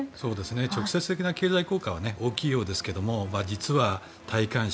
直接的な経済効果は大きいようですけども実は戴冠式